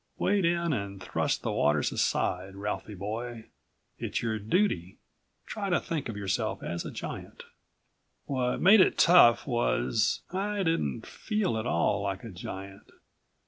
Wade in and thrust the waters aside, Ralphie boy. It's your duty. Try to think of yourself as a giant. What made it tough was ... I didn't feel at all like a giant.